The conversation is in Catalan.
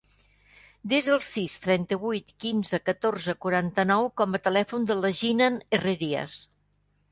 Desa el sis, trenta-vuit, quinze, catorze, quaranta-nou com a telèfon de la Jinan Herrerias.